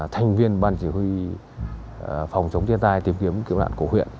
thành viên ban chỉ huy phòng chống thiên tai tìm kiếm kiểu đoạn cổ huyện